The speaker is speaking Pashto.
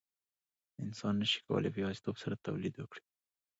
انسان نشي کولای په یوازیتوب سره تولید وکړي.